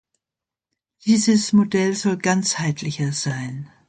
Dieses Modell soll ganzheitlicher sein.